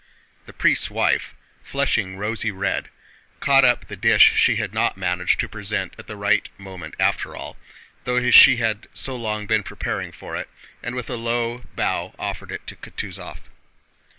The priest's wife, flushing rosy red, caught up the dish she had after all not managed to present at the right moment, though she had so long been preparing for it, and with a low bow offered it to Kutúzov.